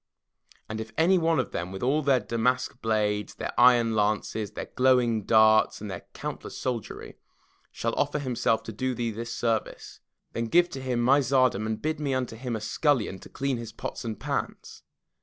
And if any one of them with all their damask blades, their iron lances, their glowing darts, and their countless soldiery, shall offer himself to do thee this service, then give to him my tsardom and bid me be unto him a scullion, to clean his pots and pans.